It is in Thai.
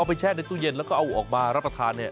แช่ในตู้เย็นแล้วก็เอาออกมารับประทานเนี่ย